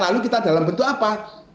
lalu kita dalam bentuk apa